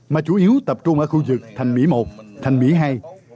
mà chủ yếu tập trung ở khu dược thành mỹ một thành mỹ hai